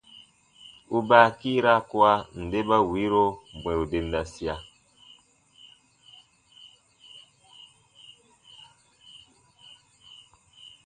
U baa kiira kua nde ba wiiro bwɛ̃ru dendasia.